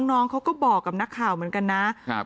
น้องเขาก็บอกกับนักข่าวเหมือนกันนะครับ